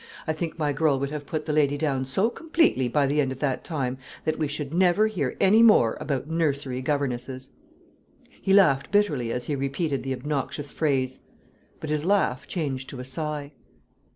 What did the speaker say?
I think my girl would have put the lady down so completely by the end of that time, that we should never hear any more about nursery governesses." He laughed bitterly as he repeated the obnoxious phrase; but his laugh changed to a sigh.